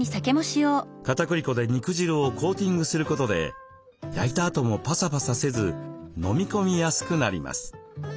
かたくり粉で肉汁をコーティングすることで焼いたあともパサパサせず飲み込みやすくなります。